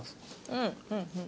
うんうんうんうん。